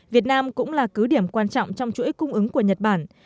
việt nam cũng là cứ điểm quan trọng trong chuỗi cung ứng của nhật bản